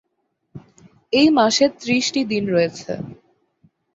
এই মাসে ত্রিশটি দিন রয়েছে।